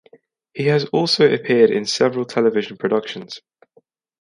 He has also appeared in several television productions.